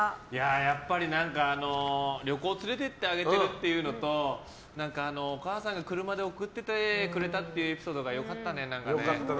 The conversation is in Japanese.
やっぱり、旅行に連れて行ってあげてるっていうのとお母さんが車で送っててくれたというエピソードが良かったね、何かね。